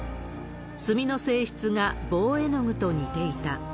墨の性質が棒絵具と似ていた。